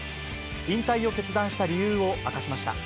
引退を決断した理由を明かしまし